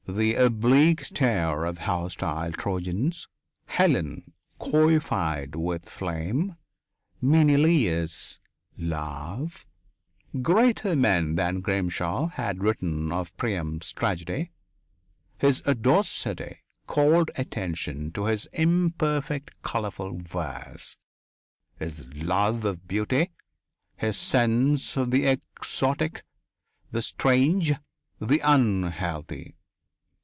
The oblique stare of the hostile Trojans. Helen coifed with flame. Menelaus. Love ... Greater men than Grimshaw had written of Priam's tragedy. His audacity called attention to his imperfect, colourful verse, his love of beauty, his sense of the exotic, the strange, the unhealthy.